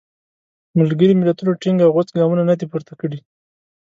ملګري ملتونو ټینګ او غوڅ ګامونه نه دي پورته کړي.